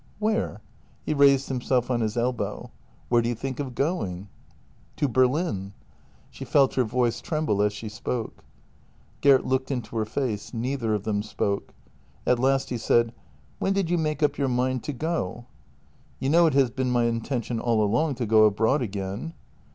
"Where?" He raised himself on his elbow. "Where do you think of going? " "To Berlin." She felt her voice tremble as she spoke. Gert looked into her face; neither of them spoke. At last he said: " When did you make up your mind to go? "" You know it has been my intention all along to go abroad again."